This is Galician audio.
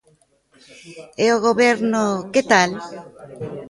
¿E o goberno, que tal?